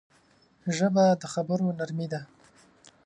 ژبه د خبرو نرمي ده